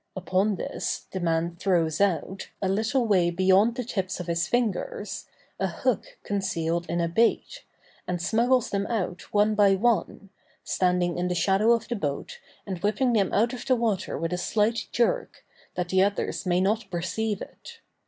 Upon this, the man throws out, a little way beyond the tips of his fingers, a hook concealed in a bait, and smuggles them out one by one, standing in the shadow of the boat and whipping them out of the water with a slight jerk, that the others may not perceive it.